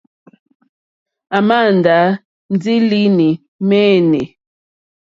À màà ndá ndí línì mɛ́ɛ́nɛ́.